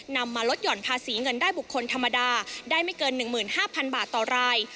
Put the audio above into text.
นำมาลดหย่อนภาษีเงินได้บุคคลธรรมดาได้ไม่เกินหนึ่งหมื่นห้าพันบาทต่อราย